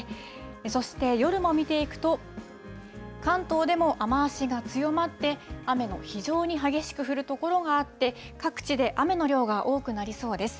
そして夜も見ていくと、関東でも雨足が強まって、雨の非常に激しく降る所があって、各地で雨の量が多くなりそうです。